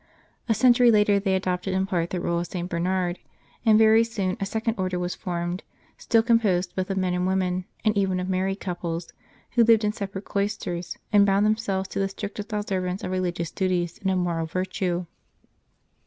A century later they adopted in part the rule of St. Bernard, and very soon a second Order was formed, still composed both of men and women, and even of married couples, who lived in separate cloisters, and bound themselves to the strictest observance of religious duties and of moral virtues.